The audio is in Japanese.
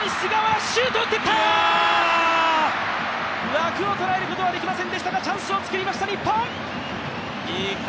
枠を捉えることはできませんでしたが、チャンスを作りました、日本。